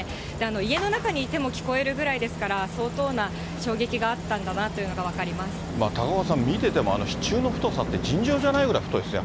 家の中にいても聞こえるぐらいですから、相当な衝撃があったんだ高岡さん、見てても、支柱の太さって尋常じゃないぐらい太いですね。